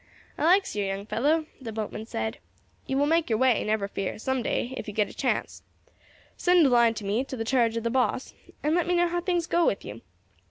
"I likes yer, young fellow," the boatman said; "you will make your way, never fear, some day, if you get a chance. Send a line to me, to the charge of the boss, and let me know how things go with you.